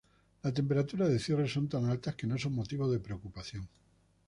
Las temperaturas de cierre son tan altas que no son motivo de preocupación.